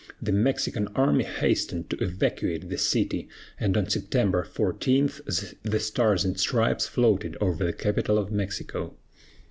The Mexican army hastened to evacuate the city, and on September 14 the Stars and Stripes floated over the capital of Mexico.